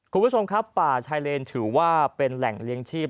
คุณผู้ชมครับป่าชายเลนถือว่าเป็นแหล่งเลี้ยงชีพ